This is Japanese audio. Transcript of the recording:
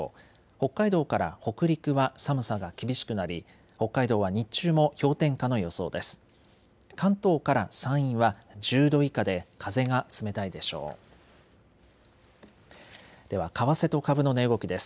北海道から北陸は寒さが厳しくなり北海道は日中も氷点下の予想です。